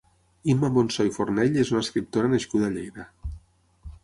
Imma Monsó i Fornell és una escriptora nascuda a Lleida.